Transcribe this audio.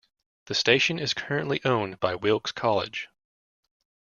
The station is currently owned by Wilkes College.